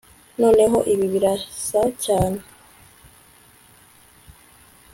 noneho ibi birasa cyane